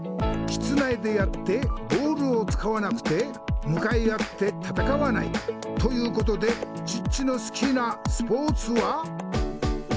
室内でやってボールをつかわなくて向かい合って戦わない。ということでチッチの好きなスポーツは。